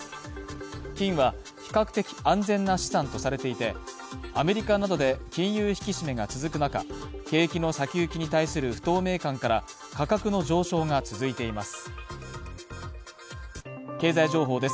金は比較的安全な資産とされていて、アメリカなどで金融引き締めが続く中、景気の先行きに対する不透明感から価格の上昇が続いています。